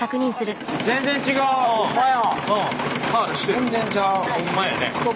全然ちゃう。